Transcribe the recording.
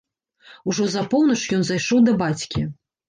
Ужо за поўнач ён зайшоў да бацькі.